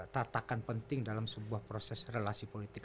tatakan penting dalam sebuah proses relasi politik